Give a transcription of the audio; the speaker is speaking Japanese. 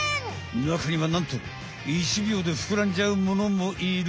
なかにはなんと１秒でふくらんじゃうものもいる！